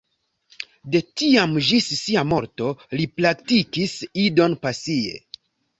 De tiam ĝis sia morto, li praktikis Idon pasie.